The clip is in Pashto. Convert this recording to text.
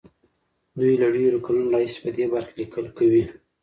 دوی له ډېرو کلونو راهيسې په دې برخه کې ليکل کوي.